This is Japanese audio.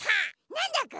なんだぐ？